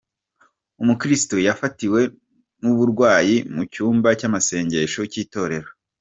Umukirisitu yafatiwe n’uburwayi mu cyumba cyamasengesho cyitorero